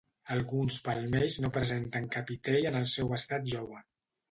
Alguns palmells no presenten capitell en el seu estat jove.